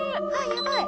やばい！